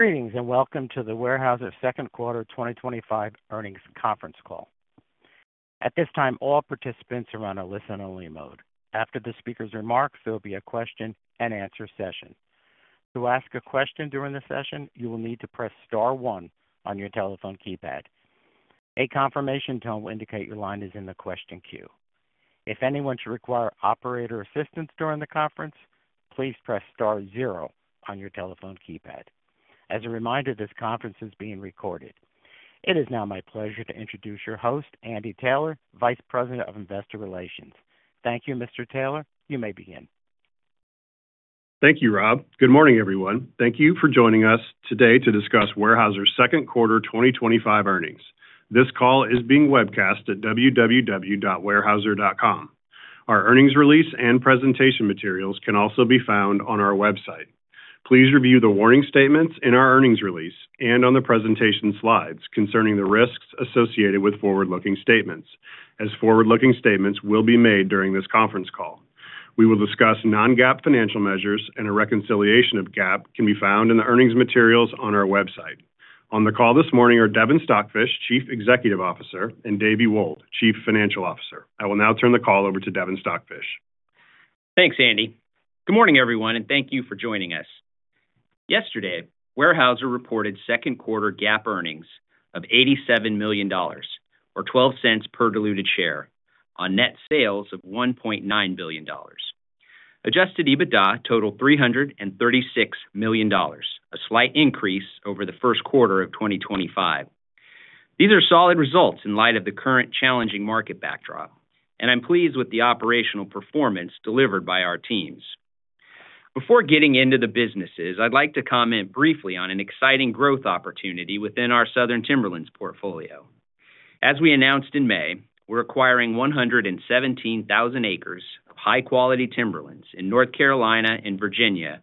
Greetings and welcome to the Weyerhaeuser's second quarter 2025 earnings conference call. At this time, all participants are on a listen-only mode. After the speaker's remarks, there will be a question-and-answer session. To ask a question during the session, you will need to press star one on your telephone keypad. A confirmation tone will indicate your line is in the question queue. If anyone should require operator assistance during the conference, please press star zero on your telephone keypad. As a reminder, this conference is being recorded. It is now my pleasure to introduce your ho`st, Andy Taylor, Vice President of Investor Relations. Thank you, Mr. Taylor. You may begin. Thank you, Rob. Good morning, everyone. Thank you for joining us today to discuss Weyerhaeuser's second quarter 2025 earnings. This call is being webcast at www.weyerhaeuser.com. Our earnings release and presentation materials can also be found on our website. Please review the warning statements in our earnings release and on the presentation slides concerning the risks associated with forward-looking statements, as forward-looking statements will be made during this conference call. We will discuss non-GAAP financial measures, and a reconciliation of GAAP can be found in the earnings materials on our website. On the call this morning are Devin Stockfish, Chief Executive Officer, and Davie Wold, Chief Financial Officer. I will now turn the call over to Devin Stockfish. Thanks, Andy. Good morning, everyone, and thank you for joining us. Yesterday, Weyerhaeuser reported second quarter GAAP earnings of $87 million, or $0.12 per diluted share, on net sales of $1.9 billion. Adjusted EBITDA totaled $336 million, a slight increase over the first quarter of 2025. These are solid results in light of the current challenging market backdrop, and I'm pleased with the operational performance delivered by our teams. Before getting into the businesses, I'd like to comment briefly on an exciting growth opportunity within our Southern Timberlands portfolio. As we announced in May, we're acquiring 117,000 acres of high-quality timberlands in North Carolina and Virginia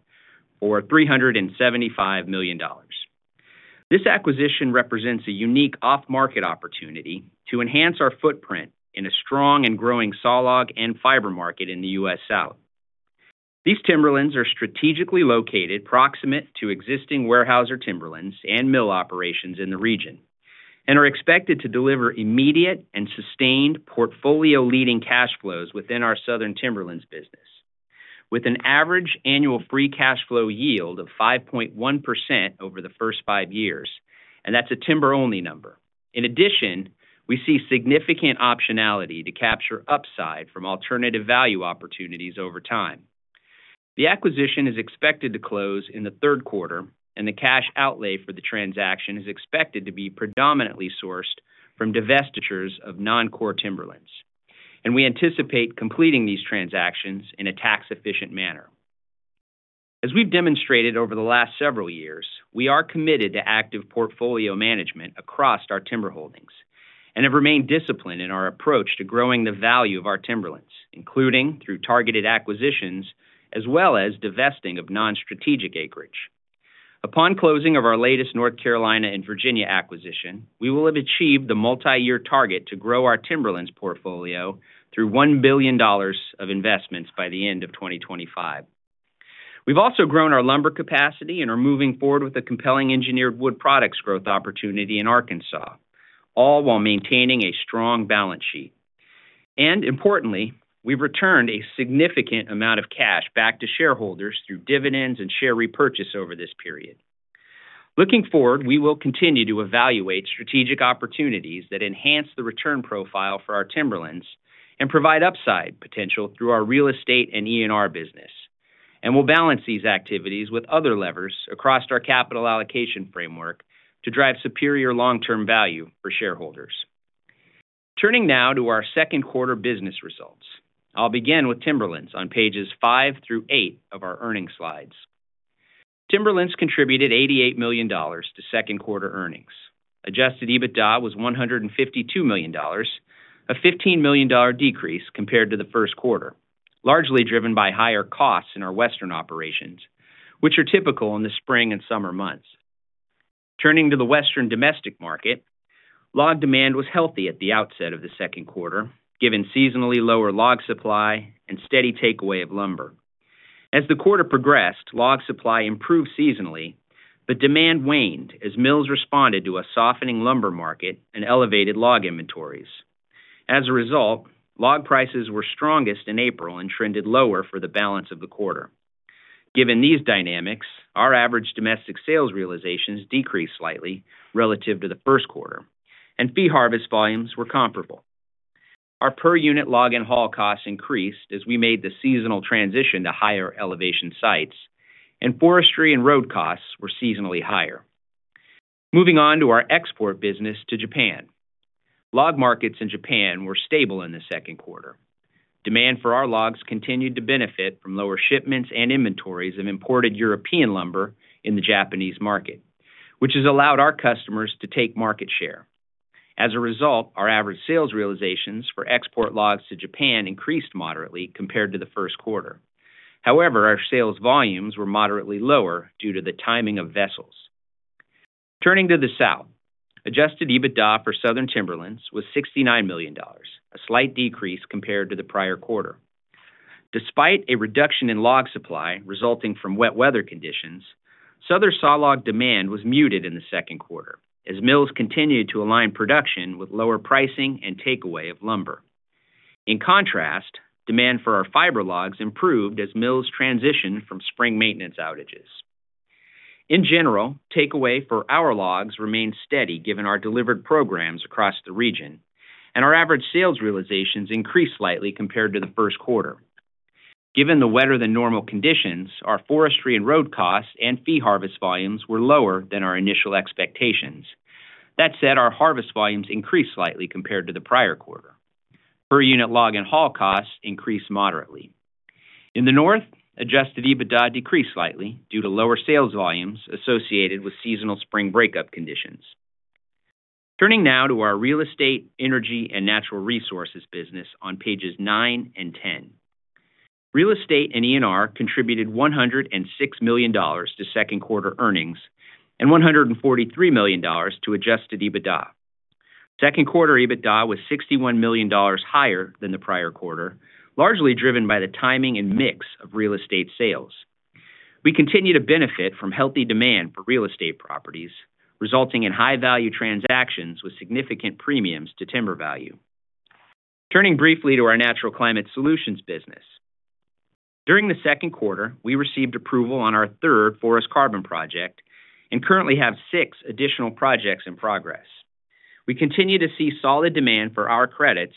for $375 million. This acquisition represents a unique off-market opportunity to enhance our footprint in a strong and growing saw log and fiber market in the U.S. South. These timberlands are strategically located proximate to existing We yerhaeuser timberlands and mill operations in the region. They are expected to deliver immediate and sustained portfolio-leading cash flows within our Southern Timberlands business, with an average annual free cash flow yield of 5.1% over the first five years, and that's a timber-only number. In addition, we see significant optionality to capture upside from alternative value opportunities over time. The acquisition is expected to close in the third quarter, and the cash outlay for the transaction is expected to be predominantly sourced from divestitures of non-core timberlands, and we anticipate completing these transactions in a tax-efficient manner. As we've demonstrated over the last several years, we are committed to active portfolio management across our timber holdings and have remained disciplined in our approach to growing the value of our timberlands, including through targeted acquisitions as well as divesting of non-strategic acreage. Upon closing of our latest North Carolina and Virginia acquisition, we will have achieved the multi-year target to grow our timberlands portfolio through $1 billion of investments by the end of 2025. We've also grown our lumber capacity and are moving forward with a compelling engineered wood products growth opportunity in Arkansas, all while maintaining a strong balance sheet. Importantly, we've returned a significant amount of cash back to shareholders through dividends and share repurchase over this period. Looking forward, we will continue to evaluate strategic opportunities that enhance the return profile for our timberlands and provide upside potential through our real estate and E&R business, and we'll balance these activities with other levers across our capital allocation framework to drive superior long-term value for shareholders. Turning now to our second quarter business results, I'll begin with timberlands on pages five through eight of our earnings slides. Timberlands contributed $88 million to second quarter earnings. Adjusted EBITDA was $152 million, a $15 million decrease compared to the first quarter, largely driven by higher costs in our Western operations, which are typical in the spring and summer months. Turning to the Western domestic market. Log demand was healthy at the outset of the second quarter, given seasonally lower log supply and steady takeaway of lumber. As the quarter progressed, log supply improved seasonally, but demand waned as mills responded to a softening lumber market and elevated log inventories. As a result, log prices were strongest in April and trended lower for the balance of the quarter. Given these dynamics, our average domestic sales realizations decreased slightly relative to the first quarter, and fee harvest volumes were comparable. Our per unit log and haul costs increased as we made the seasonal transition to higher elevation sites, and forestry and road costs were seasonally higher. Moving on to our export business to Japan, log markets in Japan were stable in the second quarter. Demand for our logs continued to benefit from lower shipments and inventories of imported European lumber in the Japanese market, which has allowed our customers to take market share. As a result, our average sales realizations for export logs to Japan increased moderately compared to the first quarter. However, our sales volumes were moderately lower due to the timing of vessels. Turning to the South, adjusted EBITDA for Southern Timberlands was $69 million, a slight decrease compared to the prior quarter. Despite a reduction in log supply resulting from wet weather conditions, Southern saw log demand was muted in the second quarter as mills continued to align production with lower pricing and takeaway of lumber. In contrast, demand for our fiber logs improved as mills transitioned from spring maintenance outages. In general, takeaway for our logs remained steady given our delivered programs across the region, and our average sales realizations increased slightly compared to the first quarter. Given the wetter-than-normal conditions, our forestry and road costs and fee harvest volumes were lower than our initial expectations. That said, our harvest volumes increased slightly compared to the prior quarter. Per unit log and haul costs increased moderately. In the North, adjusted EBITDA decreased slightly due to lower sales volumes associated with seasonal spring breakup conditions. Turning now to our Real Estate, Energy, and Natural Resources business on pages nine and ten. Real Estate and E&R contributed $106 million to second-quarter earnings and $143 million to adjusted EBITDA. Second quarter EBITDA was $61 million higher than the prior quarter, largely driven by the timing and mix of real estate sales. We continue to benefit from healthy demand for real estate properties, resulting in high-value transactions with significant premiums to timber value. Turning briefly to our Natural Climate Solutions business. During the second quarter, we received approval on our third forest carbon project and currently have six additional projects in progress. We continue to see solid demand for our credits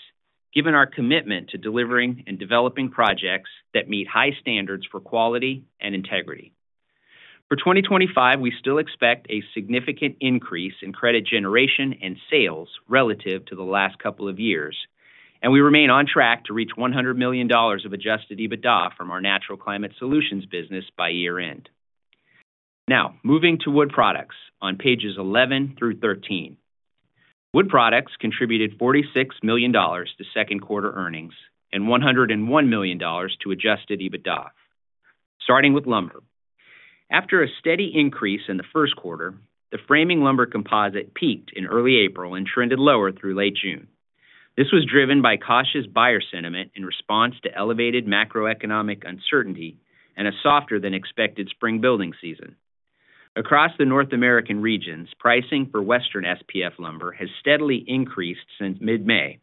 given our commitment to delivering and developing projects that meet high standards for quality and integrity. For 2025, we still expect a significant increase in credit generation and sales relative to the last couple of years, and we remain on track to reach $100 million of adjusted EBITDA from our natural climate solutions business by year-end. Now, moving to Wood Products on pages 11 through 13. Wood Products contributed $46 million to second quarter earnings and $101 million to adjusted EBITDA. Starting with lumber, after a steady increase in the first quarter, the framing lumber composite peaked in early April and trended lower through late June. This was driven by cautious buyer sentiment in response to elevated macroeconomic uncertainty and a softer-than-expected spring building season. Across the North American regions, pricing for Western SPF lumber has steadily increased since mid-May,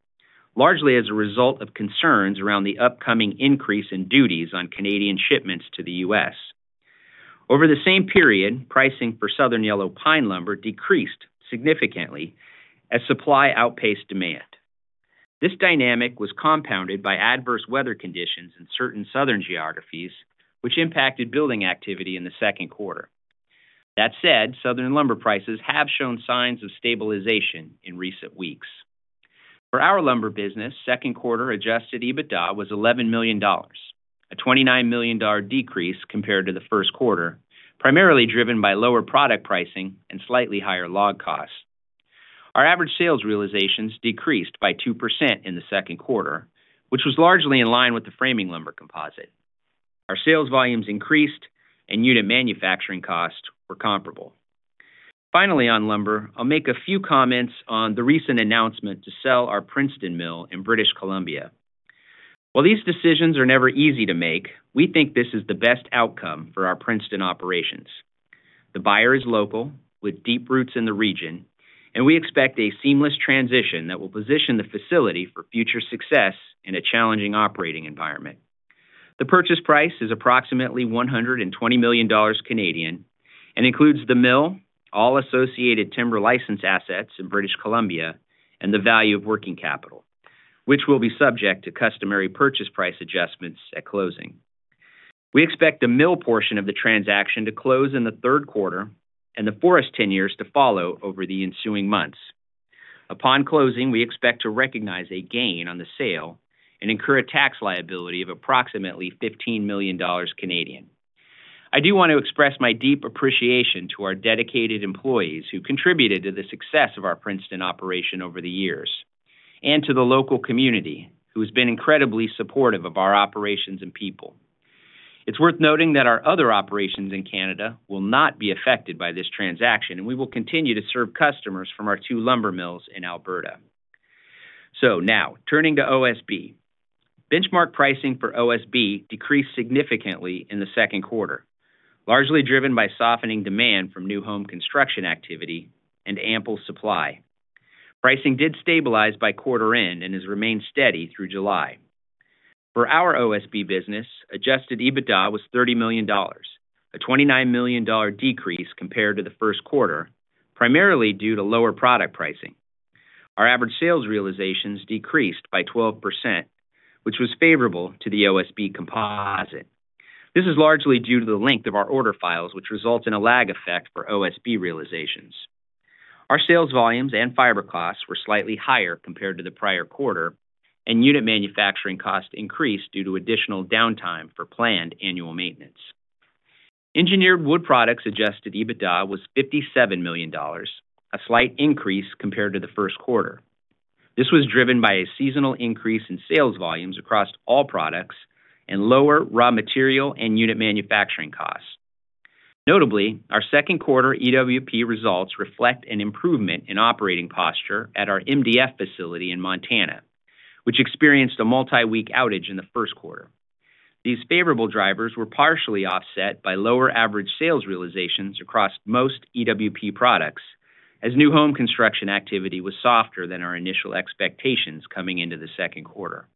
largely as a result of concerns around the upcoming increase in duties on Canadian shipments to the U.S. Over the same period, pricing for Southern Yellow Pine lumber decreased significantly as supply outpaced demand. This dynamic was compounded by adverse weather conditions in certain Southern geographies, which impacted building activity in the second quarter. That said, Southern lumber prices have shown signs of stabilization in recent weeks. For our Lumber business, second-quarter adjusted EBITDA was $11 million, a $29 million decrease compared to the first quarter, primarily driven by lower product pricing and slightly higher log costs. Our average sales realizations decreased by 2% in the second quarter, which was largely in line with the framing lumber composite. Our sales volumes increased, and unit manufacturing costs were comparable. Finally, on lumber, I'll make a few comments on the recent announcement to sell our Princeton mill in British Columbia. While these decisions are never easy to make, we think this is the best outcome for our Princeton operations. The buyer is local, with deep roots in the region, and we expect a seamless transition that will position the facility for future success in a challenging operating environment. The purchase price is approximately 120 million Canadian dollars and includes the mill, all associated timber license assets in British Columbia, and the value of working capital, which will be subject to customary purchase price adjustments at closing. We expect the mill portion of the transaction to close in the third quarter and the forest tenures to follow over the ensuing months. Upon closing, we expect to recognize a gain on the sale and incur a tax liability of approximately 15 million Canadian dollars. I do want to express my deep appreciation to our dedicated employees who contributed to the success of our Princeton operation over the years and to the local community who has been incredibly supportive of our operations and people. It's worth noting that our other operations in Canada will not be affected by this transaction, and we will continue to serve customers from our two lumber mills in Alberta. Now, turning to OSB, benchmark pricing for OSB decreased significantly in the second quarter, largely driven by softening demand from new home construction activity and ample supply. Pricing did stabilize by quarter end and has remained steady through July. For our OSB business, adjusted EBITDA was $30 million, a $29 million decrease compared to the first quarter, primarily due to lower product pricing. Our average sales realizations decreased by 12%, which was favorable to the OSB composite. This is largely due to the length of our order files, which results in a lag effect for OSB realizations. Our sales volumes and fiber costs were slightly higher compared to the prior quarter, and unit manufacturing costs increased due to additional downtime for planned annual maintenance. Engineered wood products adjusted EBITDA was $57 million, a slight increase compared to the first quarter. This was driven by a seasonal increase in sales volumes across all products and lower raw material and unit manufacturing costs. Notably, our second-quarter EWP results reflect an improvement in operating posture at our MDF facility in Montana, which experienced a multi-week outage in the first quarter. These favorable drivers were partially offset by lower average sales realizations across most EWP products, as new home construction activity was softer than our initial expectations coming into the second quarter.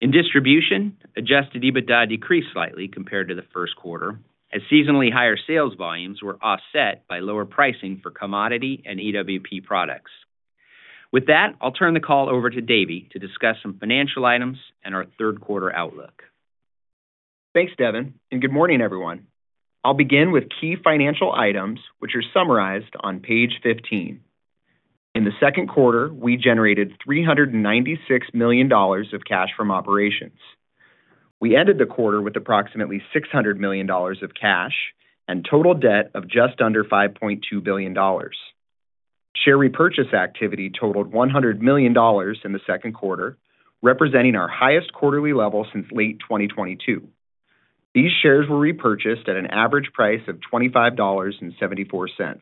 In distribution, adjusted EBITDA decreased slightly compared to the first quarter, as seasonally higher sales volumes were offset by lower pricing for commodity and EWP products. With that, I'll turn the call over to Davie to discuss some financial items and our third quarter outlook. Thanks, Devin, and good morning, everyone. I'll begin with key financial items, which are summarized on page 15. In the second quarter, we generated $396 million of cash from operations. We ended the quarter with approximately $600 million of cash and total debt of just under $5.2 billion. Share repurchase activity totaled $100 million in the second quarter, representing our highest quarterly level since late 2022. These shares were repurchased at an average price of $25.74.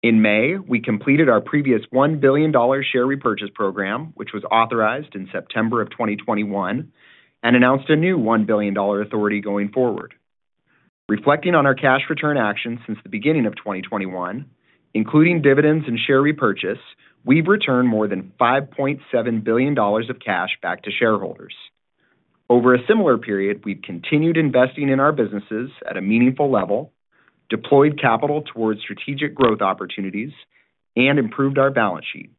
In May, we completed our previous $1 billion share repurchase program, which was authorized in September of 2021 and announced a new $1 billion authority going forward. Reflecting on our cash return actions since the beginning of 2021, including dividends and share repurchase, we've returned more than $5.7 billion of cash back to shareholders. Over a similar period, we've continued investing in our businesses at a meaningful level, deployed capital towards strategic growth opportunities, and improved our balance sheet.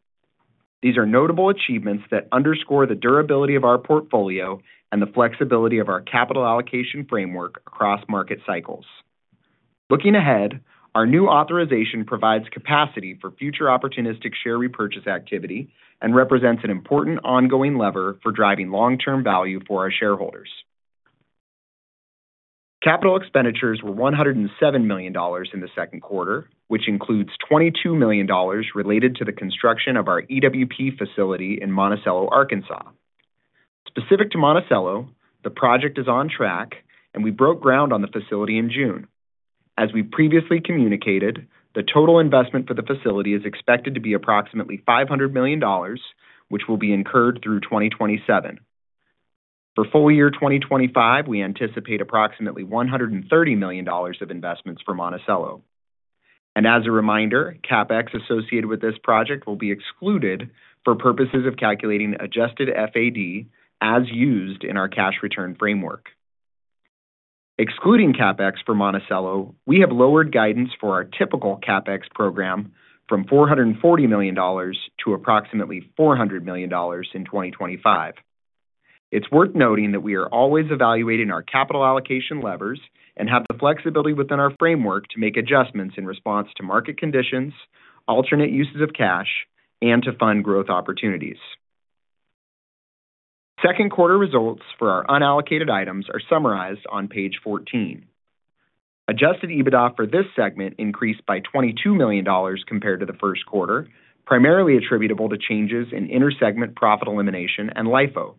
These are notable achievements that underscore the durability of our portfolio and the flexibility of our capital allocation framework across market cycles. Looking ahead, our new authorization provides capacity for future opportunistic share repurchase activity and represents an important ongoing lever for driving long-term value for our shareholders. Capital expenditures were $107 million in the second quarter, which includes $22 million related to the construction of our EWP facility in Monticello, Arkansas. Specific to Monticello, the project is on track, and we broke ground on the facility in June. As we previously communicated, the total investment for the facility is expected to be approximately $500 million, which will be incurred through 2027. For full year 2025, we anticipate approximately $130 million of investments for Monticello. As a reminder, CapEx associated with this project will be excluded for purposes of calculating adjusted FAD as used in our cash return framework. Excluding CapEx for Monticello, we have lowered guidance for our typical CapEx program from $440 million to approximately $400 million in 2025. It's worth noting that we are always evaluating our capital allocation levers and have the flexibility within our framework to make adjustments in response to market conditions, alternate uses of cash, and to fund growth opportunities. Second quarter results for our unallocated items are summarized on page 14. Adjusted EBITDA for this segment increased by $22 million compared to the first quarter, primarily attributable to changes in intersegment profit elimination and LIFO.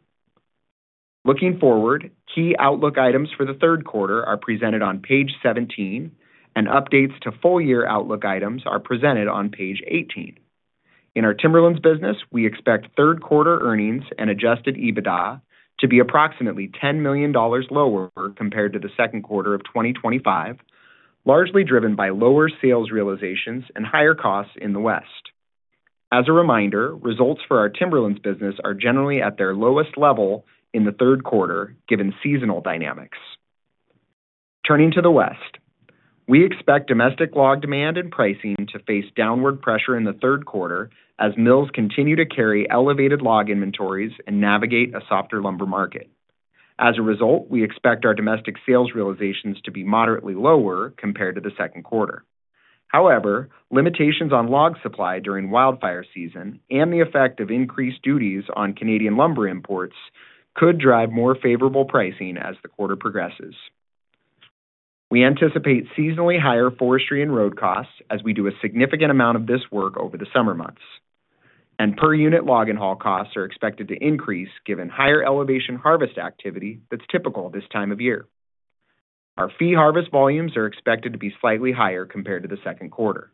Looking forward, key outlook items for the third quarter are presented on page 17, and updates to full year outlook items are presented on page 18. In our Timberlands business, we expect third quarter earnings and adjusted EBITDA to be approximately $10 million lower compared to the second quarter of 2025, largely driven by lower sales realizations and higher costs in the West. As a reminder, results for our Timberlands business are generally at their lowest level in the third quarter, given seasonal dynamics. Turning to the West, we expect domestic log demand and pricing to face downward pressure in the third quarter as mills continue to carry elevated log inventories and navigate a softer lumber market. As a result, we expect our domestic sales realizations to be moderately lower compared to the second quarter. However, limitations on log supply during wildfire season and the effect of increased duties on Canadian lumber imports could drive more favorable pricing as the quarter progresses. We anticipate seasonally higher forestry and road costs as we do a significant amount of this work over the summer months. Per unit log and haul costs are expected to increase given higher elevation harvest activity that's typical this time of year. Our fee harvest volumes are expected to be slightly higher compared to the second quarter.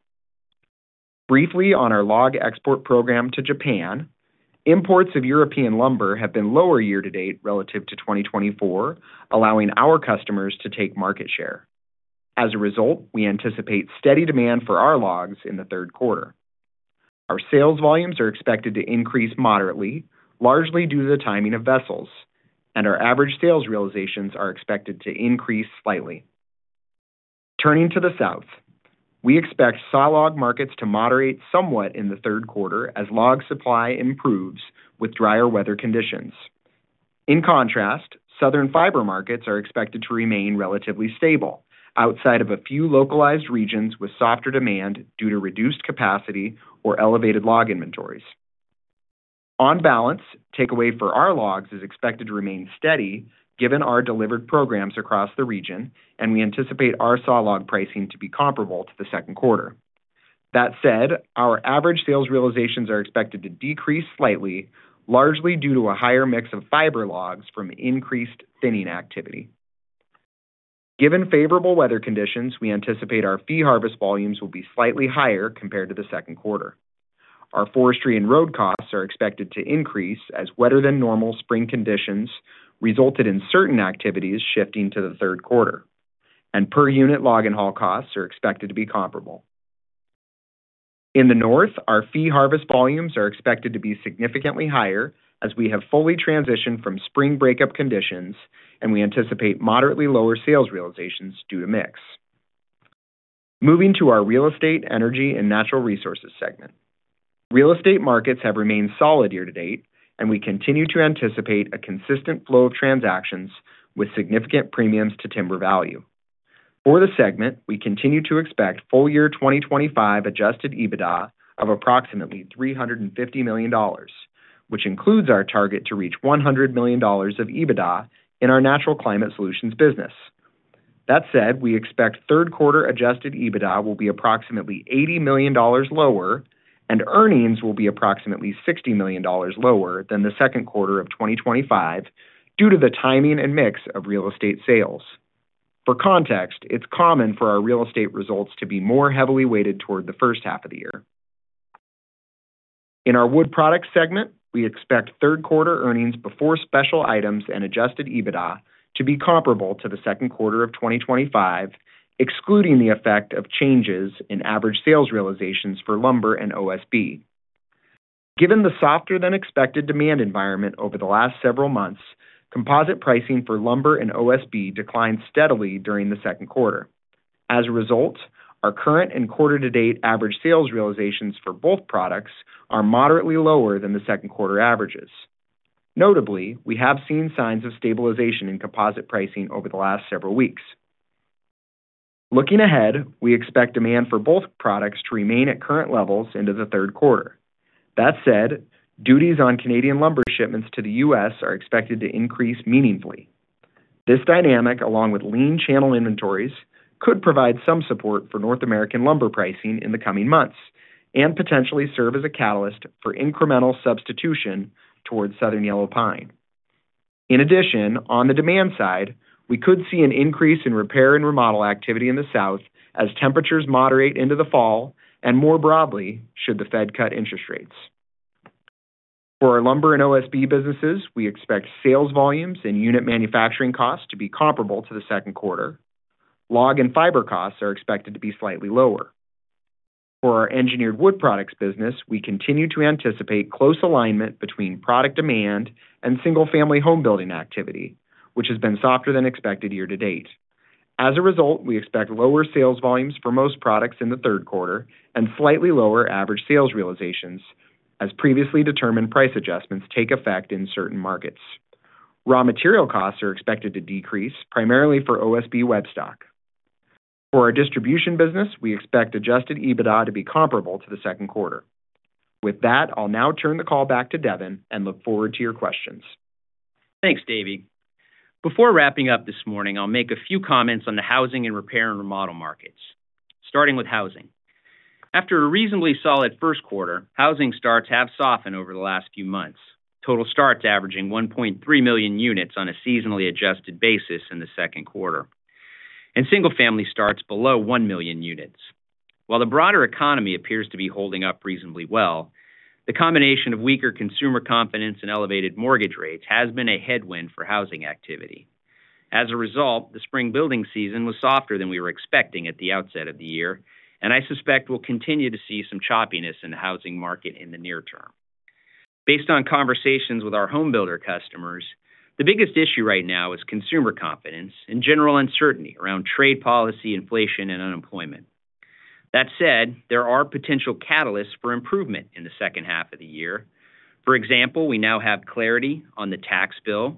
Briefly, on our log export program to Japan, imports of European lumber have been lower year-to-date relative to 2024, allowing our customers to take market share. As a result, we anticipate steady demand for our logs in the third quarter. Our sales volumes are expected to increase moderately, largely due to the timing of vessels, and our average sales realizations are expected to increase slightly. Turning to the South, we expect saw log markets to moderate somewhat in the third quarter as log supply improves with drier weather conditions. In contrast, Southern fiber markets are expected to remain relatively stable outside of a few localized regions with softer demand due to reduced capacity or elevated log inventories. On balance, takeaway for our logs is expected to remain steady given our delivered programs across the region, and we anticipate our saw log pricing to be comparable to the second quarter. That said, our average sales realizations are expected to decrease slightly, largely due to a higher mix of fiber logs from increased thinning activity. Given favorable weather conditions, we anticipate our fee harvest volumes will be slightly higher compared to the second quarter. Our forestry and road costs are expected to increase as wetter than normal spring conditions resulted in certain activities shifting to the third quarter, and per unit log and haul costs are expected to be comparable. In the North, our fee harvest volumes are expected to be significantly higher as we have fully transitioned from spring breakup conditions, and we anticipate moderately lower sales realizations due to mix. Moving to our real estate, energy, and natural resources segment. Real estate markets have remained solid year-to-date, and we continue to anticipate a consistent flow of transactions with significant premiums to timber value. For the segment, we continue to expect full-year 2025 adjusted EBITDA of approximately $350 million, which includes our target to reach $100 million of EBITDA in our natural climate solutions business. That said, we expect third quarter adjusted EBITDA will be approximately $80 million lower, and earnings will be approximately $60 million lower than the second quarter of 2025 due to the timing and mix of real estate sales. For context, it is common for our real estate results to be more heavily weighted toward the first half of the year. In our wood products segment, we expect third-quarter earnings before special items and adjusted EBITDA to be comparable to the second quarter of 2025, excluding the effect of changes in average sales realizations for lumber and OSB. Given the softer-than-expected demand environment over the last several months, composite pricing for lumber and OSB declined steadily during the second quarter. As a result, our current and quarter-to-date average sales realizations for both products are moderately lower than the second quarter averages. Notably, we have seen signs of stabilization in composite pricing over the last several weeks. Looking ahead, we expect demand for both products to remain at current levels into the third quarter. That said, duties on Canadian lumber shipments to the U.S. are expected to increase meaningfully. This dynamic, along with lean channel inventories, could provide some support for North American lumber pricing in the coming months and potentially serve as a catalyst for incremental substitution toward Southern Yellow Pine. In addition, on the demand side, we could see an increase in repair and remodel activity in the South as temperatures moderate into the fall and more broadly should the Fed cut interest rates. For our lumber and OSB businesses, we expect sales volumes and unit manufacturing costs to be comparable to the second quarter. Log and fiber costs are expected to be slightly lower. For our engineered wood products business, we continue to anticipate close alignment between product demand and single-family home building activity, which has been softer than expected year-to-date. As a result, we expect lower sales volumes for most products in the third quarter and slightly lower average sales realizations as previously determined price adjustments take effect in certain markets. Raw material costs are expected to decrease, primarily for OSB Webstock. For our distribution business, we expect adjusted EBITDA to be comparable to the second quarter. With that, I'll now turn the call back to Devin and look forward to your questions. Thanks, Davie. Before wrapping up this morning, I'll make a few comments on the housing and repair and remodel markets, starting with housing. After a reasonably solid first quarter, housing starts have softened over the last few months, total starts averaging 1.3 million units on a seasonally adjusted basis in the second quarter, and single-family starts below 1 million units. While the broader economy appears to be holding up reasonably well, the combination of weaker consumer confidence and elevated mortgage rates has been a headwind for housing activity. As a result, the spring building season was softer than we were expecting at the outset of the year, and I suspect we'll continue to see some choppiness in the housing market in the near term. Based on conversations with our homebuilder customers, the biggest issue right now is consumer confidence and general uncertainty around trade policy, inflation, and unemployment. That said, there are potential catalysts for improvement in the second half of the year. For example, we now have clarity on the tax bill,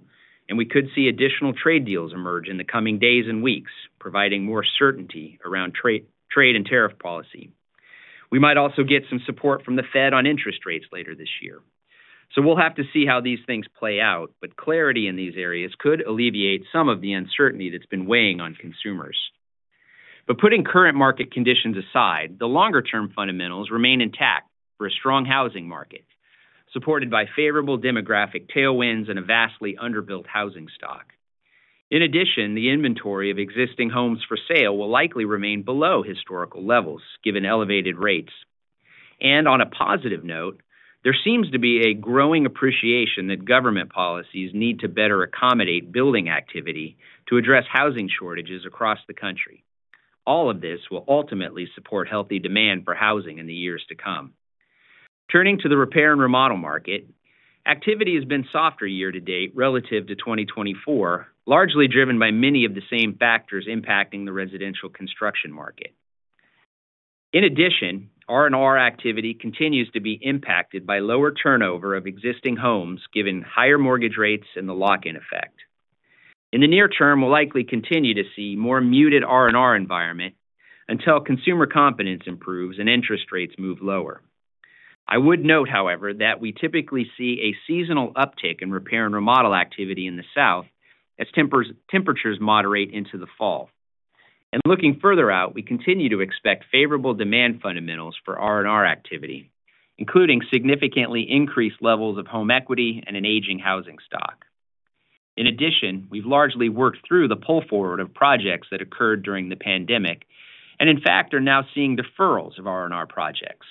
and we could see additional trade deals emerge in the coming days and weeks, providing more certainty around trade and tariff policy. We might also get some support from the Fed on interest rates later this year. We'll have to see how these things play out, but clarity in these areas could alleviate some of the uncertainty that's been weighing on consumers. Putting current market conditions aside, the longer-term fundamentals remain intact for a strong housing market, supported by favorable demographic tailwinds and a vastly underbuilt housing stock. In addition, the inventory of existing homes for sale will likely remain below historical levels given elevated rates. On a positive note, there seems to be a growing appreciation that government policies need to better accommodate building activity to address housing shortages across the country. All of this will ultimately support healthy demand for housing in the years to come. Turning to the repair and remodel market, activity has been softer year-to-date relative to 2024, largely driven by many of the same factors impacting the residential construction market. In addition, R&R activity continues to be impacted by lower turnover of existing homes given higher mortgage rates and the lock-in effect. In the near term, we'll likely continue to see a more muted R&R environment until consumer confidence improves and interest rates move lower. I would note, however, that we typically see a seasonal uptick in repair and remodel activity in the South as temperatures moderate into the fall. Looking further out, we continue to expect favorable demand fundamentals for R&R activity, including significantly increased levels of home equity and an aging housing stock. In addition, we've largely worked through the pull forward of projects that occurred during the pandemic and, in fact, are now seeing deferrals of R&R projects.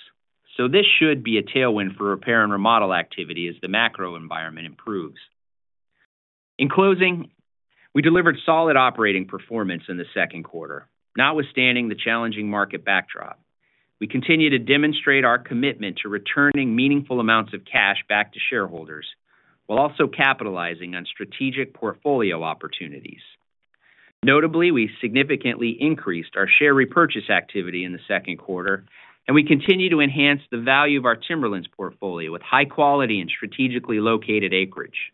This should be a tailwind for repair and remodel activity as the macro environment improves. In closing, we delivered solid operating performance in the second quarter, notwithstanding the challenging market backdrop. We continue to demonstrate our commitment to returning meaningful amounts of cash back to shareholders while also capitalizing on strategic portfolio opportunities. Notably, we significantly increased our share repurchase activity in the second quarter, and we continue to enhance the value of our Timberlands portfolio with high-quality and strategically located acreage.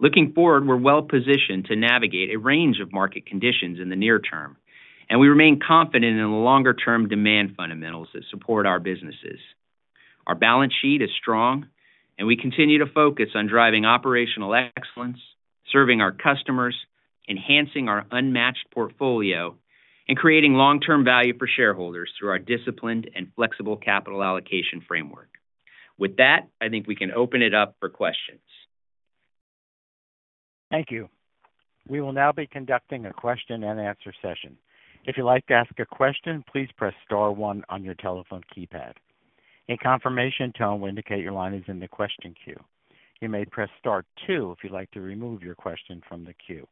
Looking forward, we're well-positioned to navigate a range of market conditions in the near term, and we remain confident in the longer-term demand fundamentals that support our businesses. Our balance sheet is strong, and we continue to focus on driving operational excellence, serving our customers, enhancing our unmatched portfolio, and creating long-term value for shareholders through our disciplined and flexible capital allocation framework. With that, I think we can open it up for questions. Thank you. We will now be conducting a question-and-answer session. If you'd like to ask a question, please press Star 1 on your telephone keypad. A confirmation tone will indicate your line is in the question queue. You may press star two if you'd like to remove your question from the queue.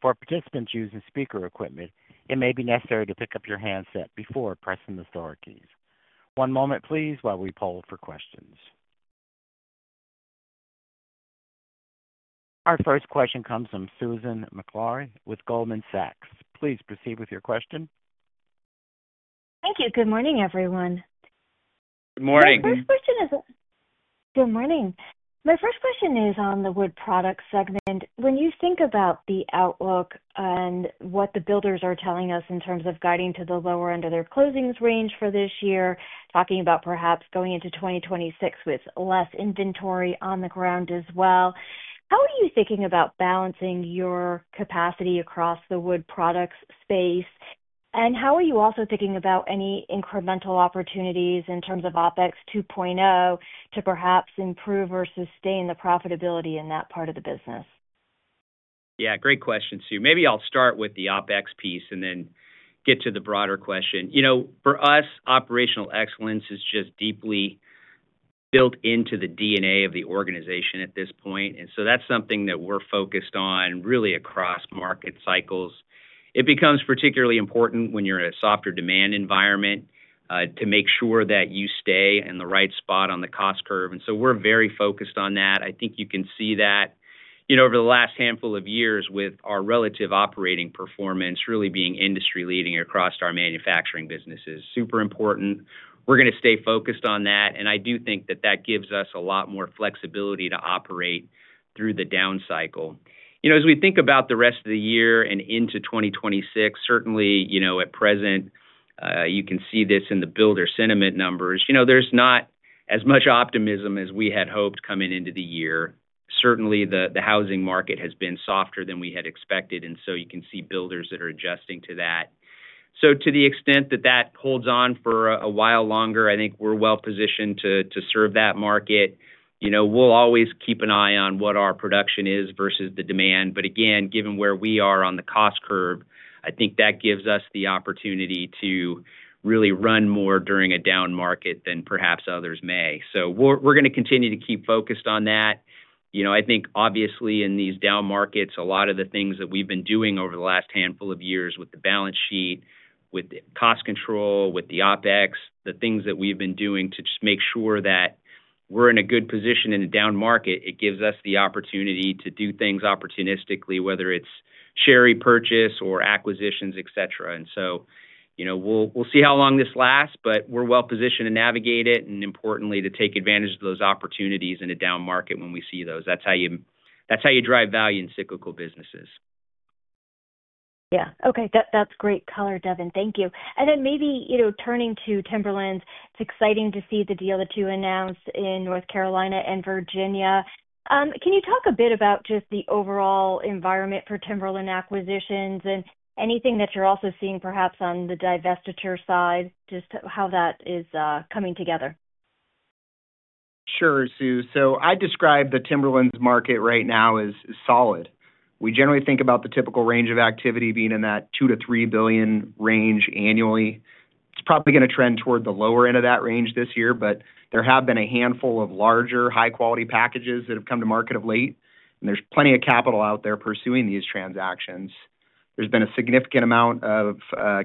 For participants using speaker equipment, it may be necessary to pick up your handset before pressing the star keys. One moment, please, while we poll for questions. Our first question comes from Susan McLaurie with Goldman Sachs. Please proceed with your question. Thank you. Good morning, everyone. Good morning. My first question is—good morning. My first question is on the wood products segment. When you think about the outlook and what the builders are telling us in terms of guiding to the lower end of their closings range for this year, talking about perhaps going into 2026 with less inventory on the ground as well, how are you thinking about balancing your capacity across the wood products space? How are you also thinking about any incremental opportunities in terms of OpEx 2.0 to perhaps improve or sustain the profitability in that part of the business? Yeah, great question, Sue. Maybe I'll start with the OpEx piece and then get to the broader question. For us, operational excellence is just deeply built into the DNA of the organization at this point. That's something that we're focused on really across market cycles. It becomes particularly important when you're in a softer demand environment to make sure that you stay in the right spot on the cost curve. We're very focused on that. I think you can see that over the last handful of years with our relative operating performance really being industry-leading across our manufacturing businesses, super important. We're going to stay focused on that. I do think that that gives us a lot more flexibility to operate through the down cycle. As we think about the rest of the year and into 2026, certainly at present. You can see this in the builder sentiment numbers. There is not as much optimism as we had hoped coming into the year. Certainly, the housing market has been softer than we had expected. You can see builders that are adjusting to that. To the extent that that holds on for a while longer, I think we are well-positioned to serve that market. We will always keep an eye on what our production is versus the demand. Again, given where we are on the cost curve, I think that gives us the opportunity to really run more during a down market than perhaps others may. We are going to continue to keep focused on that. I think, obviously, in these down markets, a lot of the things that we have been doing over the last handful of years with the balance sheet, with cost control, with the OpEx, the things that we have been doing to just make sure that we are in a good position in a down market, it gives us the opportunity to do things opportunistically, whether it is share repurchase or acquisitions, etcetera. We will see how long this lasts, but we are well-positioned to navigate it and, importantly, to take advantage of those opportunities in a down market when we see those. That is how you drive value in cyclical businesses. Yeah. Okay. That is great color, Devin. Thank you. Maybe turning to Timberlands, it is exciting to see the deal that you announced in North Carolina and Virginia. Can you talk a bit about just the overall environment for Timberland acquisitions and anything that you are also seeing perhaps on the divestiture side, just how that is coming together? Sure, Sue. I describe the Timberlands market right now as solid. We generally think about the typical range of activity being in that $2 billion-$3 billion range annually. It is probably going to trend toward the lower end of that range this year, but there have been a handful of larger, high-quality packages that have come to market of late. There is plenty of capital out there pursuing these transactions. There has been a significant amount of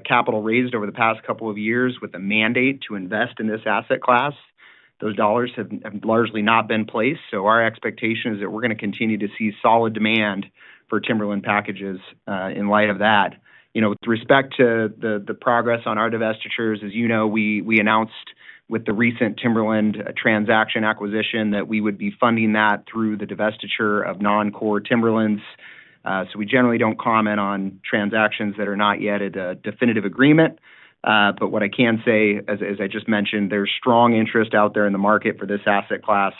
capital raised over the past couple of years with a mandate to invest in this asset class. Those dollars have largely not been placed. Our expectation is that we are going to continue to see solid demand for Timberland packages in light of that. With respect to the progress on our divestitures, as you know, we announced with the recent Timberland transaction acquisition that we would be funding that through the divestiture of non-core Timberlands. We generally do not comment on transactions that are not yet at a definitive agreement. But what I can say, as I just mentioned, there's strong interest out there in the market for this asset class.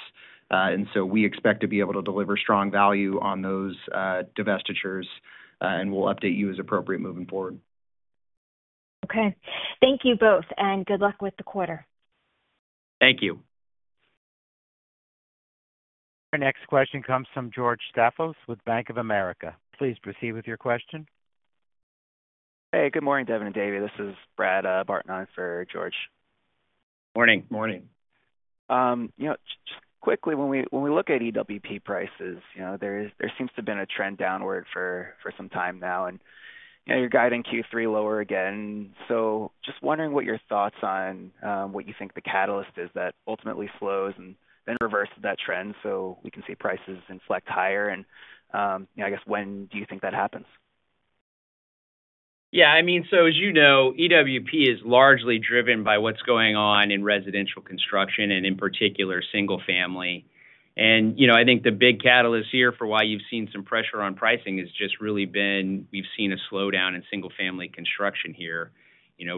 We expect to be able to deliver strong value on those divestitures, and we'll update you as appropriate moving forward. Okay. Thank you both, and good luck with the quarter. Thank you. Our next question comes from George Staphos with Bank of America. Please proceed with your question. Hey, good morning, Devin and Dave. This is Brad Barton on for George. Morning. Morning. Just quickly, when we look at EWP prices, there seems to have been a trend downward for some time now, and you're guiding Q3 lower again. Just wondering what your thoughts are on what you think the catalyst is that ultimately slows and then reverses that trend so we can see prices inflect higher. I guess, when do you think that happens? Yeah. I mean, as you know, EWP is largely driven by what's going on in residential construction and, in particular, single-family. I think the big catalyst here for why you've seen some pressure on pricing has just really been we've seen a slowdown in single-family construction here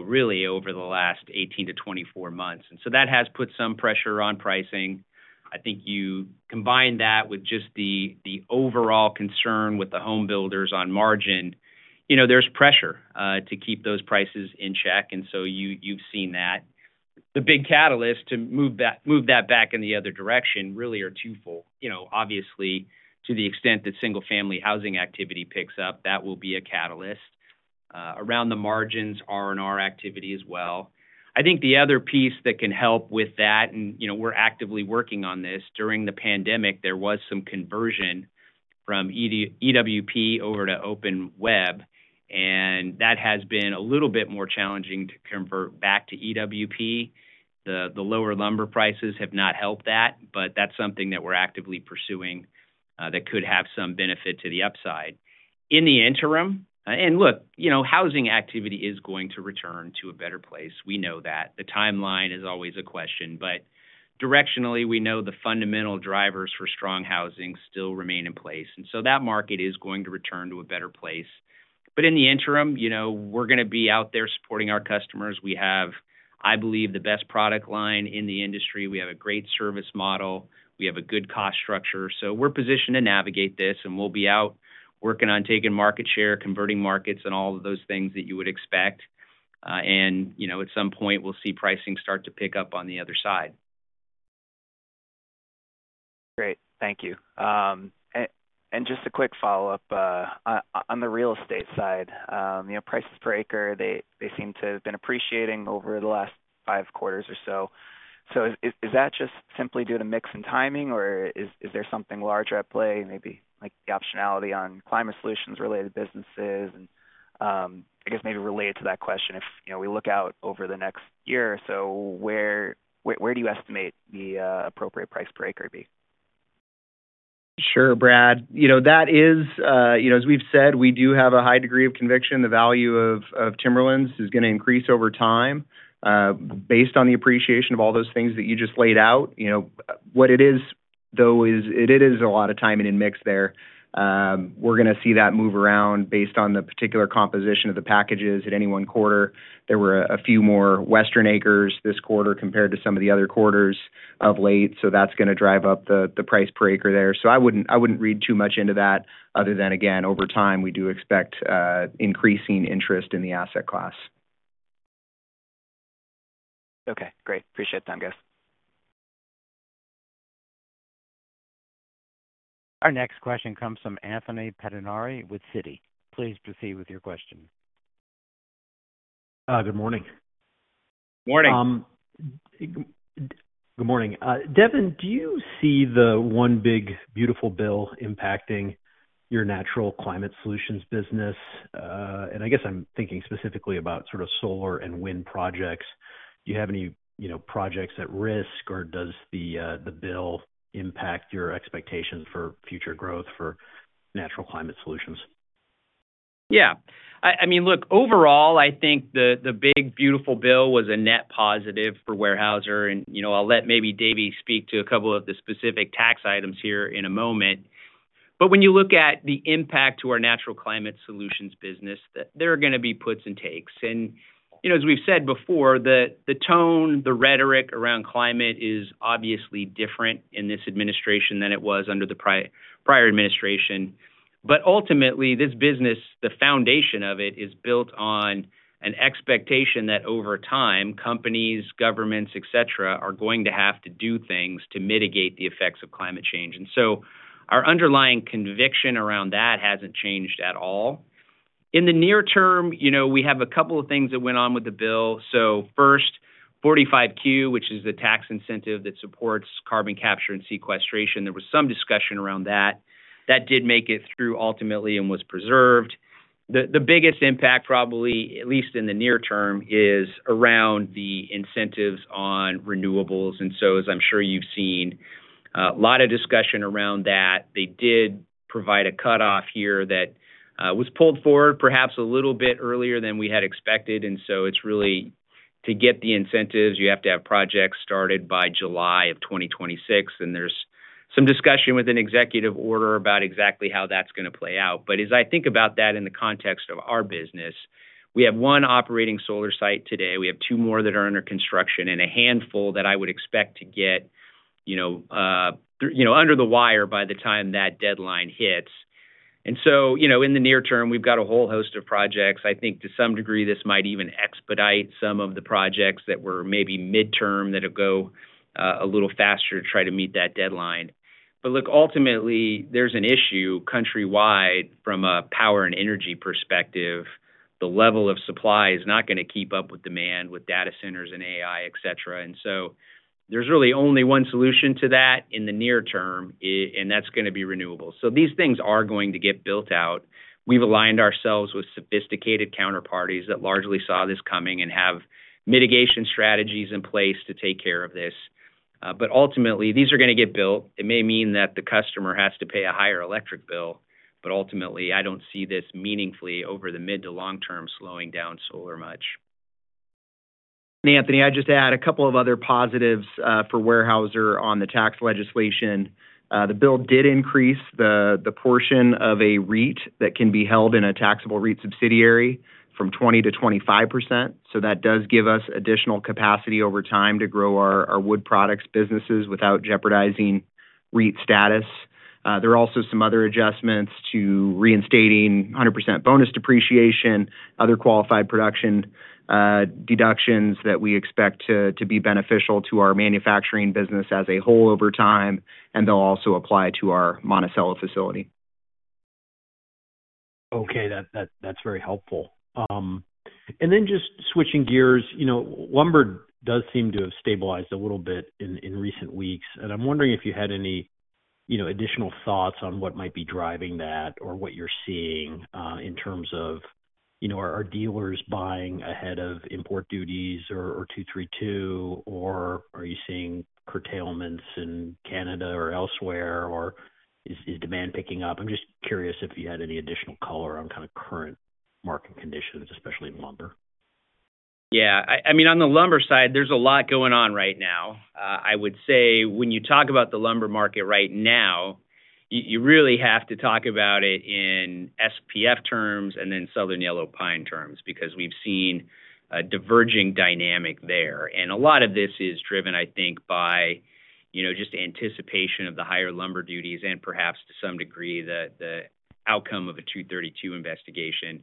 really over the last 18 to 24 months. That has put some pressure on pricing. I think you combine that with just the overall concern with the homebuilders on margin, there's pressure to keep those prices in check. You've seen that. The big catalysts to move that back in the other direction really are twofold. Obviously, to the extent that single-family housing activity picks up, that will be a catalyst. Around the margins, R&R activity as well. I think the other piece that can help with that, and we're actively working on this, during the pandemic, there was some conversion from EWP over to open web. That has been a little bit more challenging to convert back to EWP. The lower lumber prices have not helped that, but that's something that we're actively pursuing that could have some benefit to the upside. In the interim, housing activity is going to return to a better place. We know that. The timeline is always a question. Directionally, we know the fundamental drivers for strong housing still remain in place. That market is going to return to a better place. In the interim, we're going to be out there supporting our customers. We have, I believe, the best product line in the industry. We have a great service model. We have a good cost structure. We're positioned to navigate this, and we'll be out working on taking market share, converting markets, and all of those things that you would expect. At some point, we'll see pricing start to pick up on the other side. Great. Thank you. Just a quick follow-up. On the real estate side, prices per acre, they seem to have been appreciating over the last five quarters or so. Is that just simply due to mix and timing, or is there something larger at play, maybe the optionality on climate solutions-related businesses? I guess maybe related to that question, if we look out over the next year or so, where do you estimate the appropriate price per acre to be? Sure, Brad. That is, as we've said, we do have a high degree of conviction. The value of Timberlands is going to increase over time. Based on the appreciation of all those things that you just laid out. What it is, though, is it is a lot of timing and mix there. We're going to see that move around based on the particular composition of the packages at any one quarter. There were a few more Western acres this quarter compared to some of the other quarters of late. That's going to drive up the price per acre there. I wouldn't read too much into that other than, again, over time, we do expect increasing interest in the asset class. Okay. Great. Appreciate that, guys. Our next question comes from Anthony Pettinari with Citi. Please proceed with your question. Good morning. Morning. Good morning. Devin, do you see the one big beautiful bill impacting your natural climate solutions business? I guess I'm thinking specifically about sort of solar and wind projects. Do you have any projects at risk, or does the bill impact your expectations for future growth for natural climate solutions? Yeah. I mean, look, overall, I think the big beautiful bill was a net positive for Weyerhaeuser. I'll let maybe Davey speak to a couple of the specific tax items here in a moment. When you look at the impact to our natural climate solutions business, there are going to be puts and takes. As we've said before, the tone, the rhetoric around climate is obviously different in this administration than it was under the prior administration. Ultimately, this business, the foundation of it, is built on an expectation that over time, companies, governments, etc., are going to have to do things to mitigate the effects of climate change. Our underlying conviction around that hasn't changed at all. In the near term, we have a couple of things that went on with the bill. First, 45Q, which is the tax incentive that supports carbon capture and sequestration. There was some discussion around that. That did make it through ultimately and was preserved. The biggest impact, probably, at least in the near term, is around the incentives on renewables. As I'm sure you've seen, a lot of discussion around that. They did provide a cutoff here that was pulled forward perhaps a little bit earlier than we had expected. It is really, to get the incentives, you have to have projects started by July of 2026. There is some discussion with an executive order about exactly how that is going to play out. As I think about that in the context of our business, we have one operating solar site today. We have two more that are under construction and a handful that I would expect to get under the wire by the time that deadline hits. In the near term, we have a whole host of projects. I think to some degree, this might even expedite some of the projects that were maybe midterm that would go a little faster to try to meet that deadline. Ultimately, there is an issue countrywide from a power and energy perspective. The level of supply is not going to keep up with demand with data centers and AI, etcetera. There is really only one solution to that in the near term, and that is going to be renewables. These things are going to get built out. We have aligned ourselves with sophisticated counterparties that largely saw this coming and have mitigation strategies in place to take care of this. Ultimately, these are going to get built. It may mean that the customer has to pay a higher electric bill. Ultimately, I do not see this meaningfully over the mid to long term slowing down solar much. Anthony, I just add a couple of other positives for Weyerhaeuser on the tax legislation. The bill did increase the portion of a REIT that can be held in a taxable REIT subsidiary from 20%-25%. That does give us additional capacity over time to grow our wood products businesses without jeopardizing REIT status. There are also some other adjustments to reinstating 100% bonus depreciation, other qualified production deductions that we expect to be beneficial to our manufacturing business as a whole over time. They will also apply to our Monticello facility. That is very helpful. Just switching gears, lumber does seem to have stabilized a little bit in recent weeks. I am wondering if you had any additional thoughts on what might be driving that or what you are seeing in terms of are dealers buying ahead of import duties or 232, or are you seeing curtailments in Canada or elsewhere, or is demand picking up? I am just curious if you had any additional color on current market conditions, especially in lumber. On the lumber side, there is a lot going on right now. I would say when you talk about the lumber market right now, you really have to talk about it in SPF terms and then Southern Yellow Pine terms because we have seen a diverging dynamic there. A lot of this is driven, I think, by anticipation of the higher lumber duties and perhaps to some degree the outcome of the 232 investigation.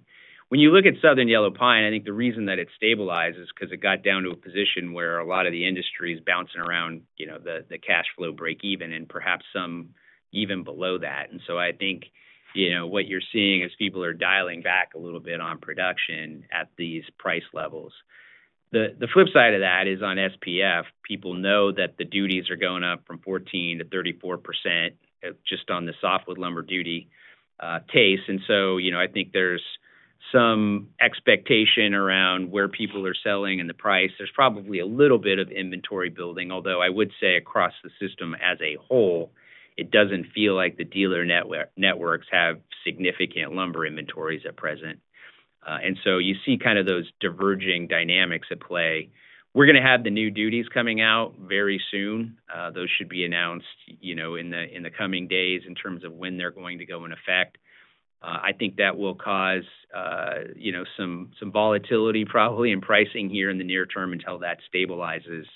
When you look at Southern Yellow Pine, I think the reason that it stabilized is because it got down to a position where a lot of the industry is bouncing around the cash flow breakeven and perhaps some even below that. I think what you're seeing is people are dialing back a little bit on production at these price levels. The flip side of that is on SPF, people know that the duties are going up from 14%-34% just on the softwood lumber duty case. I think there's some expectation around where people are selling and the price. There's probably a little bit of inventory building, although I would say across the system as a whole, it doesn't feel like the dealer networks have significant lumber inventories at present. You see kind of those diverging dynamics at play. We're going to have the new duties coming out very soon. Those should be announced in the coming days in terms of when they're going to go in effect. I think that will cause some volatility probably in pricing here in the near term until that stabilizes.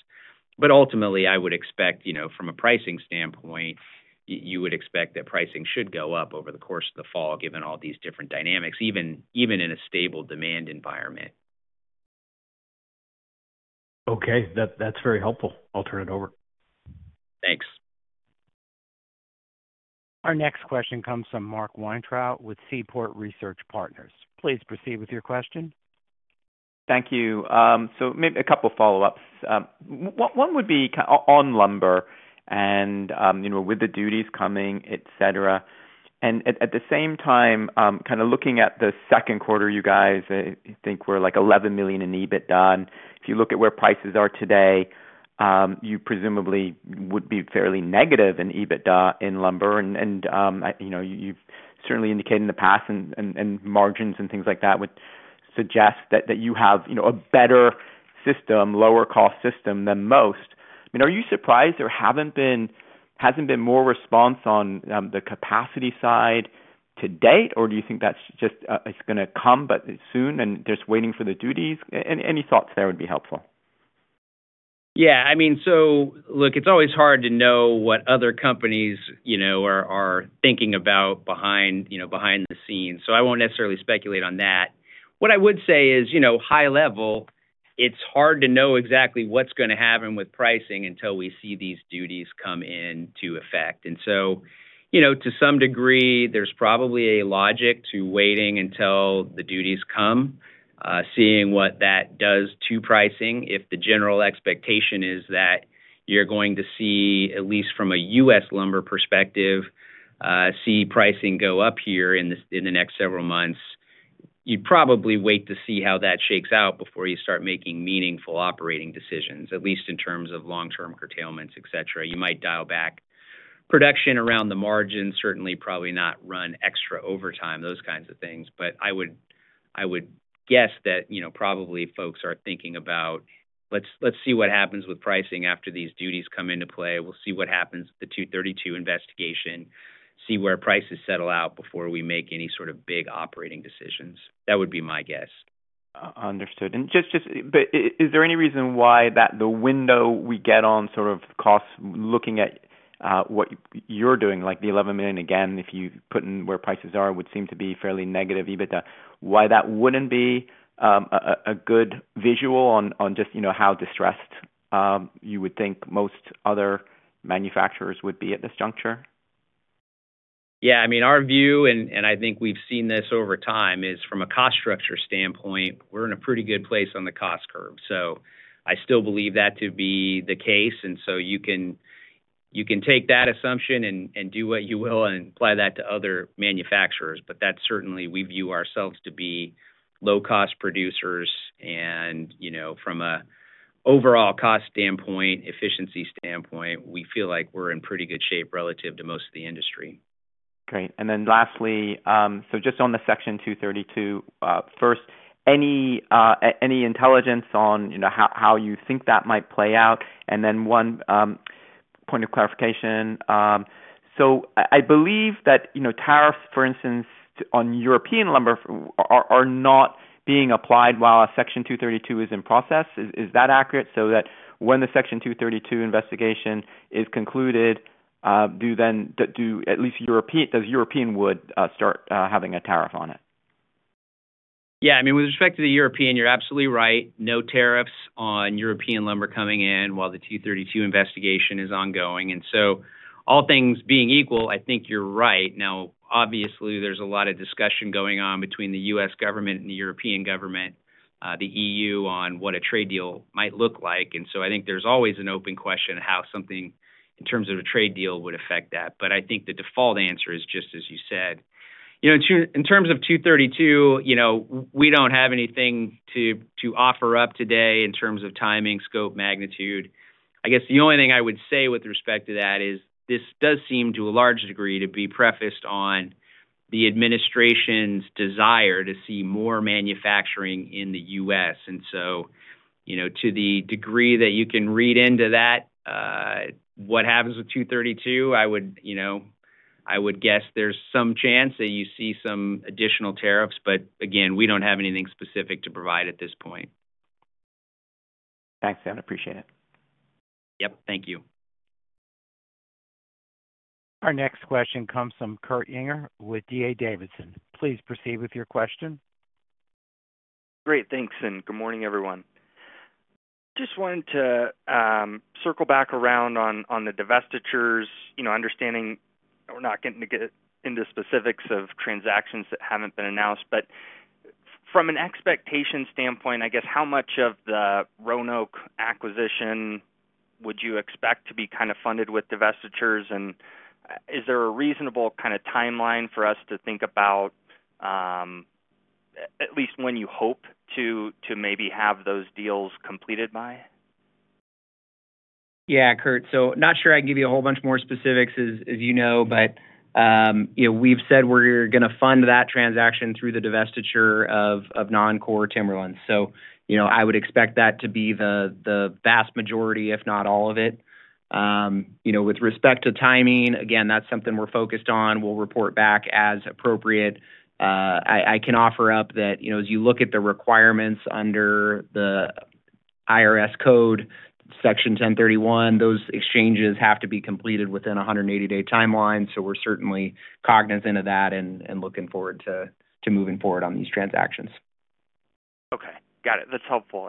Ultimately, I would expect from a pricing standpoint, you would expect that pricing should go up over the course of the fall given all these different dynamics, even in a stable demand environment. Okay. That's very helpful. I'll turn it over. Thanks. Our next question comes from Mark Weintraub with Seaport Research Partners. Please proceed with your question. Thank you. Maybe a couple of follow-ups. One would be on lumber and with the duties coming, etcetera. At the same time, kind of looking at the second quarter, you guys think we're like $11 million in EBITDA. If you look at where prices are today, you presumably would be fairly negative in EBITDA in lumber. You've certainly indicated in the past, and margins and things like that would suggest that you have a better system, lower-cost system than most. I mean, are you surprised there hasn't been more response on the capacity side to date, or do you think that's just going to come soon and just waiting for the duties? Any thoughts there would be helpful. Yeah. I mean, look, it's always hard to know what other companies are thinking about behind the scenes. I won't necessarily speculate on that. What I would say is high level, it's hard to know exactly what's going to happen with pricing until we see these duties come into effect. To some degree, there's probably a logic to waiting until the duties come, seeing what that does to pricing. If the general expectation is that you're going to see, at least from a U.S. lumber perspective, pricing go up here in the next several months, you'd probably wait to see how that shakes out before you start making meaningful operating decisions, at least in terms of long-term curtailments, etcetera. You might dial back production around the margin, certainly probably not run extra overtime, those kinds of things. I would guess that probably folks are thinking about, "Let's see what happens with pricing after these duties come into play. We'll see what happens to 232 investigation. See where prices settle out before we make any sort of big operating decisions." That would be my guess. Understood. Is there any reason why the window we get on sort of costs, looking at what you're doing, like the $11 million again, if you put in where prices are, would seem to be fairly negative EBITDA, why that wouldn't be a good visual on just how distressed you would think most other manufacturers would be at this juncture? Yeah. I mean, our view, and I think we've seen this over time, is from a cost structure standpoint, we're in a pretty good place on the cost curve. I still believe that to be the case. You can take that assumption and do what you will and apply that to other manufacturers. That's certainly, we view ourselves to be low-cost producers. From an overall cost standpoint, efficiency standpoint, we feel like we're in pretty good shape relative to most of the industry. Okay. Lastly, just on the Section 232, first, any intelligence on how you think that might play out? One point of clarification. I believe that tariffs, for instance, on European lumber are not being applied while Section 232 is in process. Is that accurate? When the Section 232 investigation is concluded, does European wood start having a tariff on it? Yeah. With respect to the European, you're absolutely right. No tariffs on European lumber coming in while the 232 investigation is ongoing. All things being equal, I think you're right. Obviously, there's a lot of discussion going on between the U.S. government and the European government, the EU, on what a trade deal might look like. I think there's always an open question of how something in terms of a trade deal would affect that. I think the default answer is just as you said. In terms of 232, we don't have anything to offer up today in terms of timing, scope, magnitude. The only thing I would say with respect to that is this does seem to a large degree to be prefaced on the administration's desire to see more manufacturing in the U.S. To the degree that you can read into that, what happens with 232, I would guess there's some chance that you see some additional tariffs. Again, we don't have anything specific to provide at this point. Thanks. I appreciate it. Yep. Thank you. Our next question comes from Kurt Ynger with D.A. Davidson. Please proceed with your question. Great. Thanks. Good morning, everyone. Just wanted to circle back around on the divestitures, understanding we're not getting into specifics of transactions that haven't been announced. From an expectation standpoint, I guess how much of the Roanoke acquisition would you expect to be kind of funded with divestitures? Is there a reasonable kind of timeline for us to think about, at least when you hope to maybe have those deals completed by? Yeah, Kurt. Not sure I can give you a whole bunch more specifics, as you know, but we've said we're going to fund that transaction through the divestiture of non-core timberlands. I would expect that to be the vast majority, if not all of it. With respect to timing, again, that's something we're focused on. We'll report back as appropriate. I can offer up that as you look at the requirements under the IRS code, Section 1031, those exchanges have to be completed within a 180-day timeline. We're certainly cognizant of that and looking forward to moving forward on these transactions. Okay. Got it. That's helpful.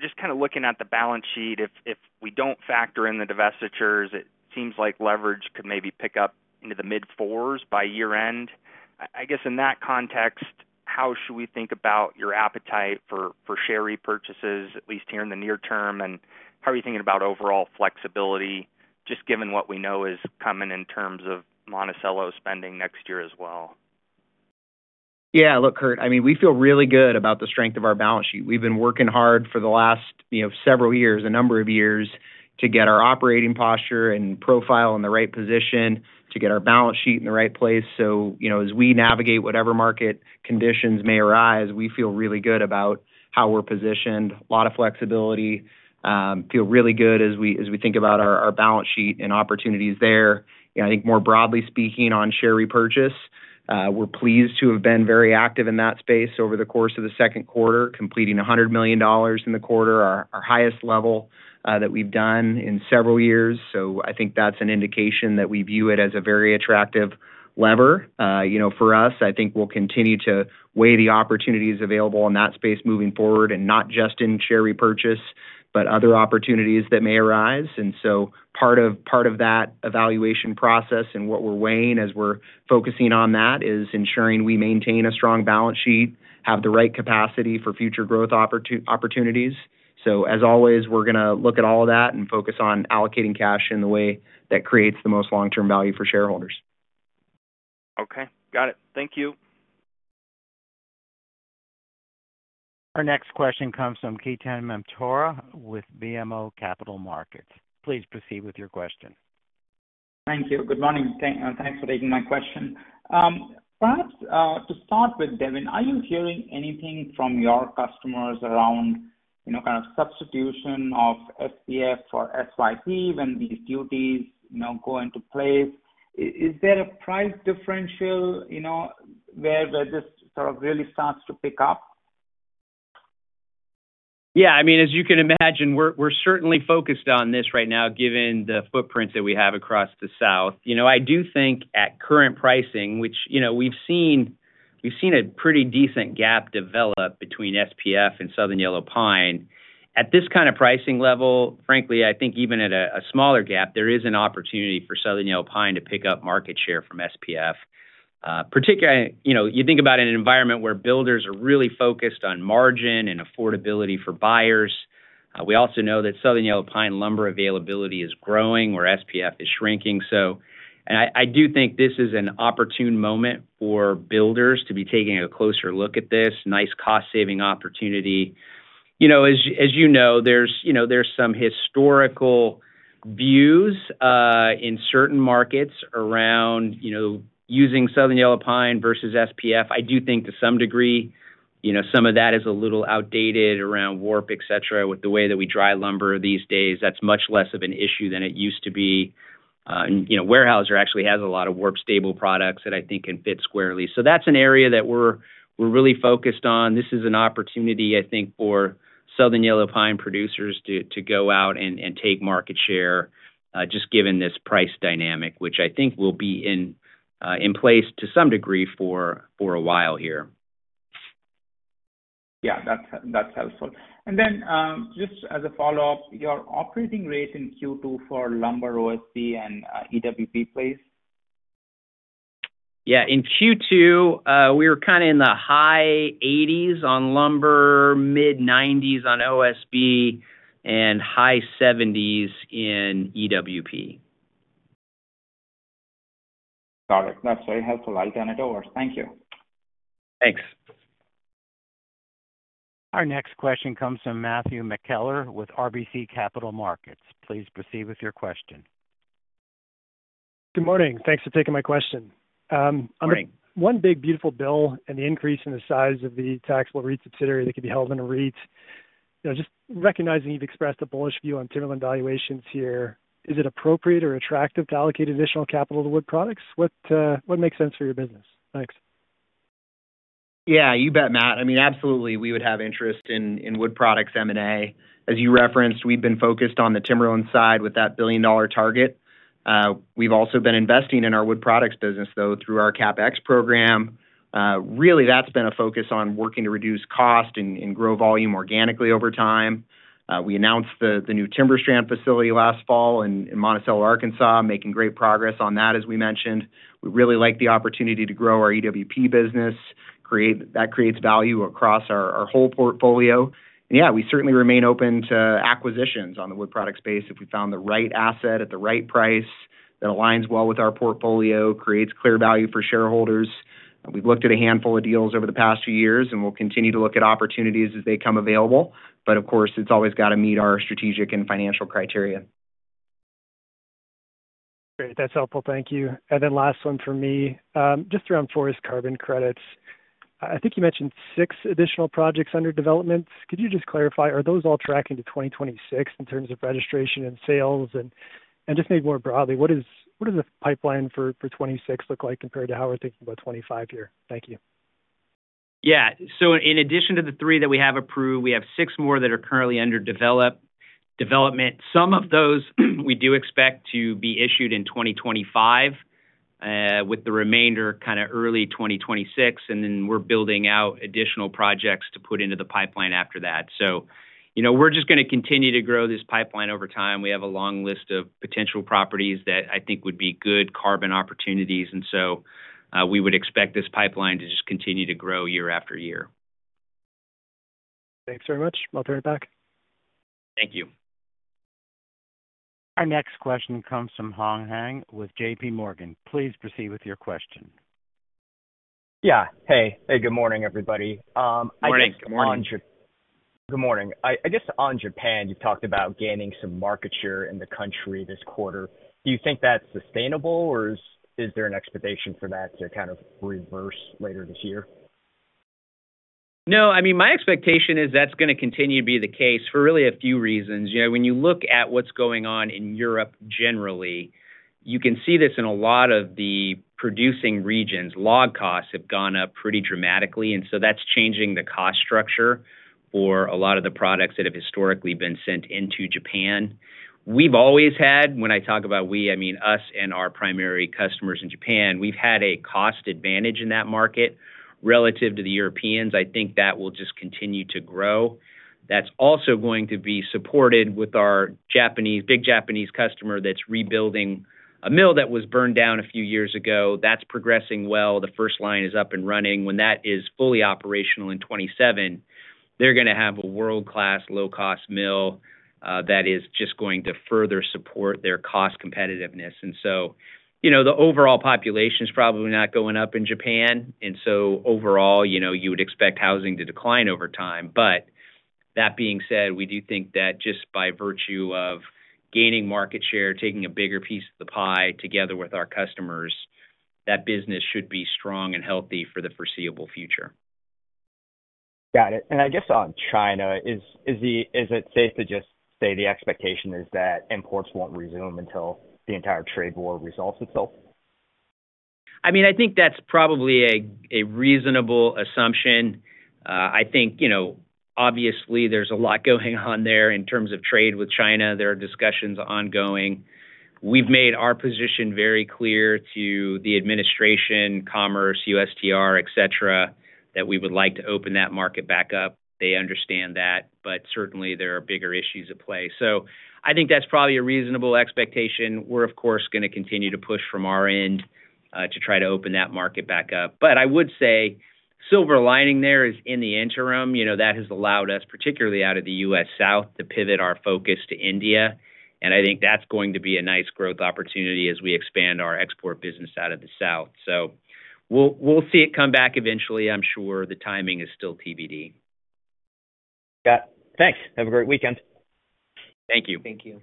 Just kind of looking at the balance sheet, if we don't factor in the divestitures, it seems like leverage could maybe pick up into the mid-4s by year-end. I guess in that context, how should we think about your appetite for share repurchases, at least here in the near term? How are you thinking about overall flexibility, just given what we know is coming in terms of Monticello spending next year as well? Yeah. Kurt, I mean, we feel really good about the strength of our balance sheet. We've been working hard for the last several years, a number of years, to get our operating posture and profile in the right position, to get our balance sheet in the right place. As we navigate whatever market conditions may arise, we feel really good about how we're positioned. A lot of flexibility. Feel really good as we think about our balance sheet and opportunities there. I think more broadly speaking on share repurchase, we're pleased to have been very active in that space over the course of the second quarter, completing $100 million in the quarter, our highest level that we've done in several years. I think that's an indication that we view it as a very attractive lever for us. I think we'll continue to weigh the opportunities available in that space moving forward, and not just in share repurchase, but other opportunities that may arise. Part of that evaluation process and what we're weighing as we're focusing on that is ensuring we maintain a strong balance sheet, have the right capacity for future growth opportunities. As always, we're going to look at all of that and focus on allocating cash in the way that creates the most long-term value for shareholders. Okay. Got it. Thank you. Our next question comes from Ketan Mamtora with BMO Capital Markets. Please proceed with your question. Thank you. Good morning. Thanks for taking my question. Perhaps to start with, Devin, are you hearing anything from your customers around kind of substitution of SPF or SYP when these duties go into place? Is there a price differential where this sort of really starts to pick up? Yeah. I mean, as you can imagine, we are certainly focused on this right now, given the footprints that we have across the South. I do think at current pricing, which we have seen, a pretty decent gap develop between SPF and Southern Yellow Pine. At this kind of pricing level, frankly, I think even at a smaller gap, there is an opportunity for Southern Yellow Pine to pick up market share from SPF. Particularly, you think about an environment where builders are really focused on margin and affordability for buyers. We also know that Southern Yellow Pine lumber availability is growing where SPF is shrinking. I do think this is an opportune moment for builders to be taking a closer look at this, nice cost-saving opportunity. As you know, there are some historical views in certain markets around using Southern Yellow Pine versus SPF. I do think to some degree some of that is a little outdated around warp, etcetera, with the way that we dry lumber these days. That is much less of an issue than it used to be. Weyerhaeuser actually has a lot of warp-stable products that I think can fit squarely. That is an area that we are really focused on. This is an opportunity, I think, for Southern Yellow Pine producers to go out and take market share, just given this price dynamic, which I think will be in place to some degree for a while here. Yeah. That is helpful. And then just as a follow-up, your operating rate in Q2 for lumber, OSB, and EWP, please? Yeah. In Q2, we were kind of in the high 80s on lumber, mid-90s on OSB, and high 70s in EWP. Got it. That is very helpful. I will turn it over. Thank you. Thanks. Our next question comes from Matthew McKellar with RBC Capital Markets. Please proceed with your question. Good morning. Thanks for taking my question. One big beautiful bill and the increase in the size of the taxable REIT subsidiary that can be held in a REIT. Just recognizing you have expressed a bullish view on timberland valuations here, is it appropriate or attractive to allocate additional capital to wood products? What makes sense for your business? Thanks. Yeah. You bet, Matt. I mean, absolutely, we would have interest in wood products M&A. As you referenced, we have been focused on the timberland side with that billion-dollar target. We have also been investing in our wood products business, though, through our CapEx program. Really, that has been a focus on working to reduce cost and grow volume organically over time. We announced the new timber strand facility last fall in Monticello, Arkansas, making great progress on that, as we mentioned. We really like the opportunity to grow our EWP business. That creates value across our whole portfolio. Yeah, we certainly remain open to acquisitions on the wood products space if we found the right asset at the right price that aligns well with our portfolio, creates clear value for shareholders. We've looked at a handful of deals over the past few years, and we'll continue to look at opportunities as they come available. Of course, it's always got to meet our strategic and financial criteria. Great. That's helpful. Thank you. Last one for me, just around forest carbon credits. I think you mentioned six additional projects under development. Could you just clarify, are those all tracking to 2026 in terms of registration and sales? Just maybe more broadly, what does the pipeline for 2026 look like compared to how we're thinking about 2025 here? Thank you. Yeah. In addition to the three that we have approved, we have six more that are currently under development. Some of those we do expect to be issued in 2025, with the remainder kind of early 2026. We're building out additional projects to put into the pipeline after that. We're just going to continue to grow this pipeline over time. We have a long list of potential properties that I think would be good carbon opportunities. We would expect this pipeline to just continue to grow year-after-year. Thanks very much. I'll turn it back. Thank you. Our next question comes from Hong Hang with J.P. Morgan. Please proceed with your question. Yeah. Hey. Hey. Good morning, everybody. Good morning. I guess on Japan, you've talked about gaining some market share in the country this quarter. Do you think that's sustainable, or is there an expectation for that to kind of reverse later this year? No. I mean, my expectation is that's going to continue to be the case for really a few reasons. When you look at what's going on in Europe generally, you can see this in a lot of the producing regions. Log costs have gone up pretty dramatically, and that's changing the cost structure for a lot of the products that have historically been sent into Japan. We've always had—when I talk about we, I mean us and our primary customers in Japan—we've had a cost advantage in that market. Relative to the Europeans, I think that will just continue to grow. That's also going to be supported with our big Japanese customer that's rebuilding a mill that was burned down a few years ago. That's progressing well. The first line is up and running. When that is fully operational in 2027, they're going to have a world-class low-cost mill that is just going to further support their cost competitiveness. The overall population is probably not going up in Japan. Overall, you would expect housing to decline over time. That being said, we do think that just by virtue of gaining market share, taking a bigger piece of the pie together with our customers, that business should be strong and healthy for the foreseeable future. Got it. I guess on China, is it safe to just say the expectation is that imports will not resume until the entire trade war resolves itself? I think that is probably a reasonable assumption. Obviously, there is a lot going on there in terms of trade with China. There are discussions ongoing. We have made our position very clear to the administration, commerce, USTR, etcetera., that we would like to open that market back up. They understand that. Certainly, there are bigger issues at play. I think that is probably a reasonable expectation. We are, of course, going to continue to push from our end to try to open that market back up. I would say the silver lining there is in the interim, that has allowed us, particularly out of the U.S. South, to pivot our focus to India. I think that is going to be a nice growth opportunity as we expand our export business out of the South. We will see it come back eventually. I am sure the timing is still TBD. Got it. Thanks. Have a great weekend. Thank you. Thank you.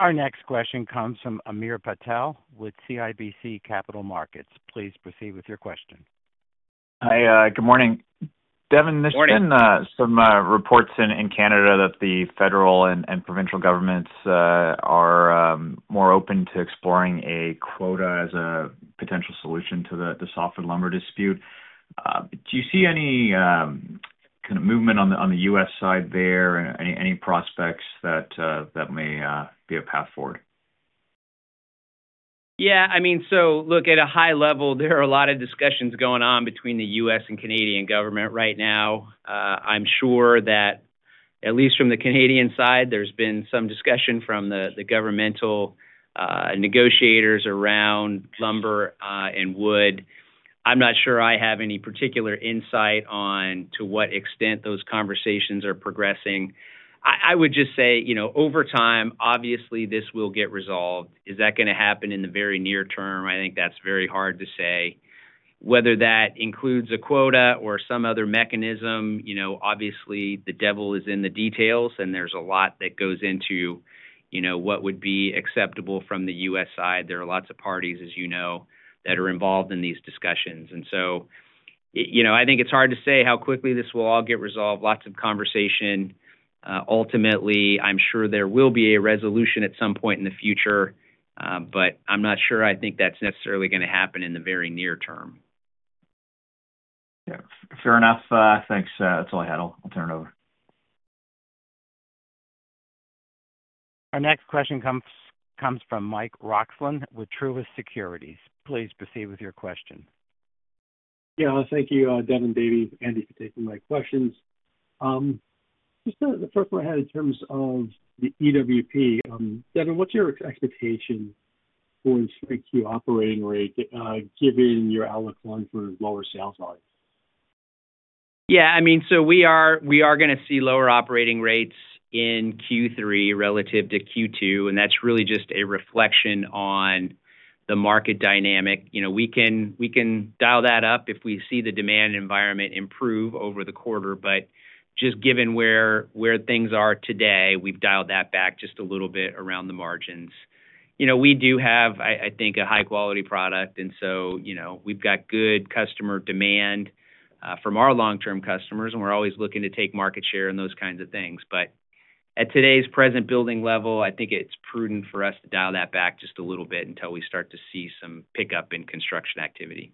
Our next question comes from Hamir Patel with CIBC Capital Markets. Please proceed with your question. Hi. Good morning. Devin, there has been some reports in Canada that the federal and provincial governments are more open to exploring a quota as a potential solution to the softwood lumber dispute. Do you see any kind of movement on the U.S. side there? Any prospects that may be a path forward? Yeah. At a high level, there are a lot of discussions going on between the U.S. and Canadian government right now. I am sure that at least from the Canadian side, there has been some discussion from the governmental negotiators around lumber and wood. I am not sure I have any particular insight on to what extent those conversations are progressing. I would just say over time, obviously, this will get resolved. Is that going to happen in the very near term? I think that is very hard to say. Whether that includes a quota or some other mechanism, obviously, the devil is in the details, and there is a lot that goes into what would be acceptable from the U.S. side. There are lots of parties, as you know, that are involved in these discussions. I think it is hard to say how quickly this will all get resolved. Lots of conversation. Ultimately, I am sure there will be a resolution at some point in the future. I am not sure I think that is necessarily going to happen in the very near term. Yeah. Fair enough. Thanks. That's all I had. I'll turn it over. Our next question comes from Mike Roxland with Truist Securities. Please proceed with your question. Yeah. Thank you, Devin, Dave, Andy, for taking my questions. Just the first one I had in terms of the EWP. Devin, what's your expectation for the Q3 operating rate given your outlook for lower sales volume? Yeah. I mean, we are going to see lower operating rates in Q3 relative to Q2. That's really just a reflection on the market dynamic. We can dial that up if we see the demand environment improve over the quarter. Just given where things are today, we've dialed that back just a little bit around the margins. We do have, I think, a high-quality product. We've got good customer demand from our long-term customers. We're always looking to take market share and those kinds of things. At today's present building level, I think it's prudent for us to dial that back just a little bit until we start to see some pickup in construction activity.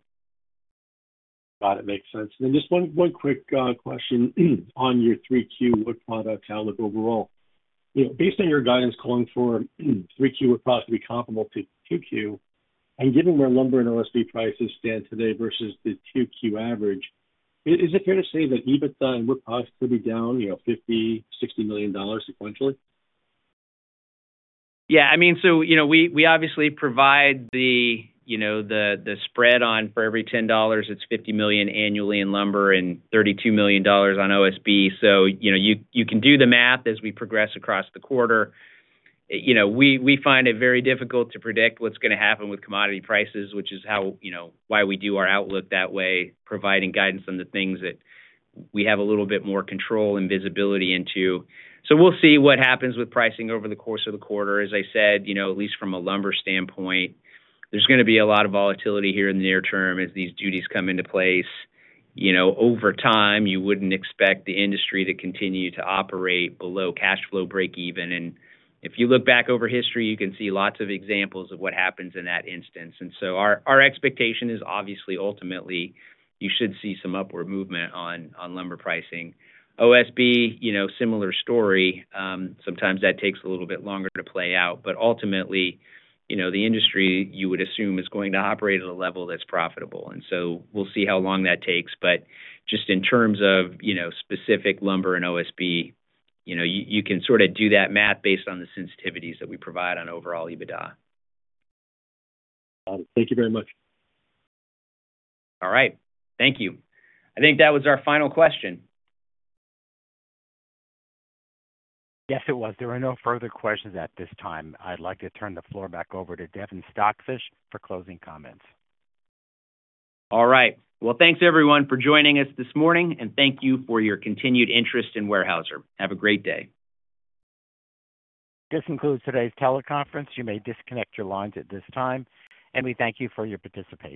Got it. Makes sense. And then just one quick question on your 3Q wood product outlook overall. Based on your guidance calling for 3Q wood product to be comparable to 2Q, and given where lumber and OSB prices stand today versus the 2Q average, is it fair to say that EBITDA in wood product could be down $50 million-$60 million sequentially? Yeah. I mean, we obviously provide the spread on for every $10, it's $50 million annually in lumber and $32 million on OSB. You can do the math as we progress across the quarter. We find it very difficult to predict what's going to happen with commodity prices, which is why we do our outlook that way, providing guidance on the things that we have a little bit more control and visibility into. We'll see what happens with pricing over the course of the quarter. As I said, at least from a lumber standpoint, there's going to be a lot of volatility here in the near term as these duties come into place. Over time, you wouldn't expect the industry to continue to operate below cash flow breakeven. If you look back over history, you can see lots of examples of what happens in that instance. Our expectation is obviously, ultimately, you should see some upward movement on lumber pricing. OSB, similar story. Sometimes that takes a little bit longer to play out. Ultimately, the industry you would assume is going to operate at a level that's profitable. We'll see how long that takes. Just in terms of specific lumber and OSB, you can sort of do that math based on the sensitivities that we provide on overall EBITDA. Got it. Thank you very much. All right. Thank you. I think that was our final question. Yes, it was. There are no further questions at this time. I'd like to turn the floor back over to Devin Stockfish for closing comments. All right. Thanks, everyone, for joining us this morning. Thank you for your continued interest in Weyerhaeuser. Have a great day. This concludes today's teleconference. You may disconnect your lines at this time. We thank you for your participation.